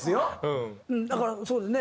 だからそうですね